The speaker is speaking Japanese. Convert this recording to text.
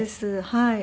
はい。